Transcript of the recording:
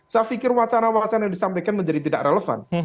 saya pikir wacana wacana yang disampaikan menjadi tidak relevan